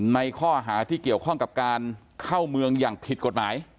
ในข้อหาที่เกี่ยวข้องกับการเข้าเมืองอย่างผิดกฎหมาย